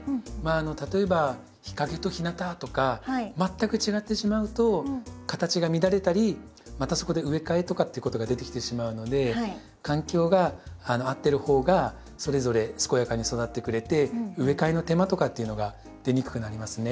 例えば日陰と日なたとか全く違ってしまうと形が乱れたりまたそこで植え替えとかっていうことが出てきてしまうので環境が合ってる方がそれぞれ健やかに育ってくれて植え替えの手間とかっていうのが出にくくなりますね。